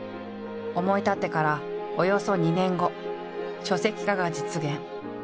思い立ってからおよそ２年後書籍化が実現。